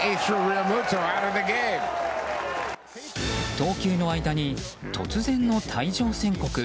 投球の間に突然の退場宣告。